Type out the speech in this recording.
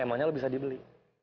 emangnya lu bisa dibeli